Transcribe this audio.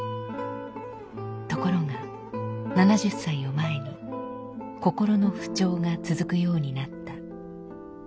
ところが７０歳を前に心の不調が続くようになった。